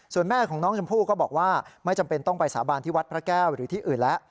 ส่วนแม่ของน้องชมพู่ก็บอกว่าไม่จำเป็นต้องไปสาบานที่วัดพระแก้วหรือที่อื่นแล้ว